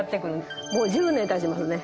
もう１０年経ちますね。